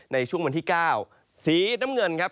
ในช่วงวันที่๙สีน้ำเงินครับ